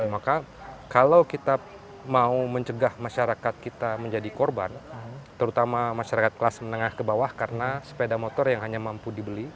maka kalau kita mau mencegah masyarakat kita menjadi korban terutama masyarakat kelas menengah ke bawah karena sepeda motor yang hanya mampu dibeli